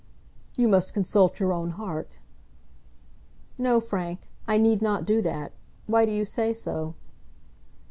"You must consult your own heart." "No, Frank; I need not do that. Why do you say so?"